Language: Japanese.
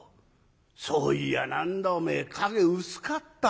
「そういや何だおめえ影薄かったわ」。